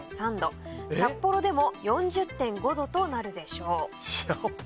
札幌でも４０．５℃となるでしょう。